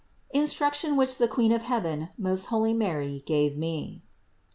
INSTRUCTION WHICH THE QUEEN OF HEAVEN, MOST HOLY MARY, GAVE ME.